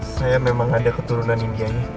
saya memang ada keturunan india ya